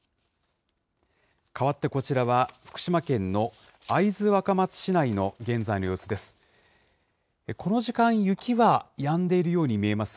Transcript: かわってこちらは、福島県の会津若松市内の現在の様子です。